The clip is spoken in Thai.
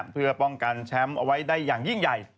เพื่อป้องกันแชมป์เอาไว้ได้อย่างยิ่งใหญ่